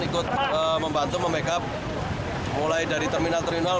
ikut membantu memake up mulai dari terminal terinhal